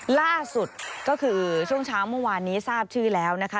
ล่าสุดก็คือช่วงเช้าเมื่อวานนี้ทราบชื่อแล้วนะคะ